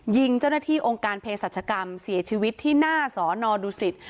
ยิงเจ้าหน้าที่องค์การเพศรัชกรรมเสียชีวิตที่หน้าสอนอดูสิต